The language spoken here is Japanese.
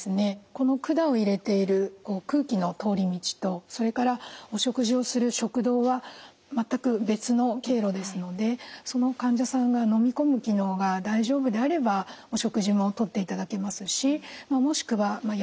この管を入れている空気の通り道とそれからお食事をする食道は全く別の経路ですのでその患者さんがのみ込む機能が大丈夫であればお食事もとっていただけますしもしくはやわらかいもの